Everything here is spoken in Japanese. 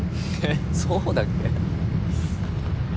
そうだっけ？